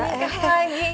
mau nikah lagi